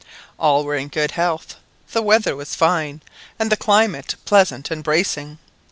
All were in good health, the weather was fine, and the climate pleasant and bracing.